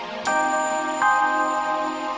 udah bang jalan ya